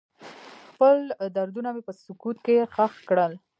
خپل دردونه مې په سکوت کې ښخ کړل.